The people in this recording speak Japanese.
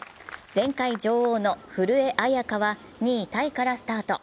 前回女王の古江彩佳は２位タイからスタート。